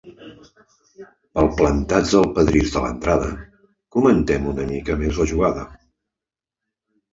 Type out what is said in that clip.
Palplantats al pedrís de l'entrada comentem una mica més la jugada.